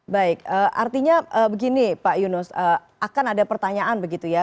baik artinya begini pak yunus akan ada pertanyaan begitu ya